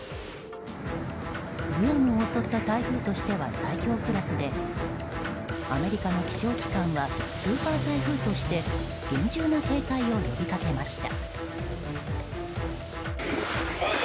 グアムを襲った台風としては最強クラスでアメリカの気象機関はスーパー台風として厳重な警戒を呼びかけました。